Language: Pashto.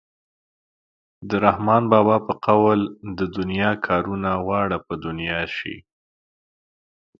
د رحمان بابا په قول د دنیا کارونه واړه په دنیا شي.